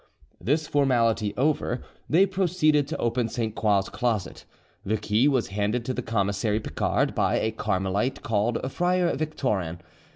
This formality over, they proceeded to open Sainte Croix's closet: the key was handed to the commissary Picard by a Carmelite called Friar Victorin.